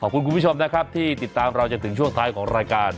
คุณผู้ชมนะครับที่ติดตามเราจนถึงช่วงท้ายของรายการ